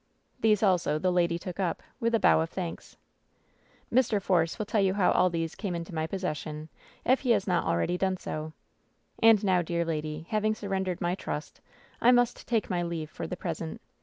These also the lady took up, with a bow of thanks. "Mr. Force will tell you how all these came into ray possession, if he has not already done so. And now, dear lady, having surrendered my trust, I must take my leave for the present.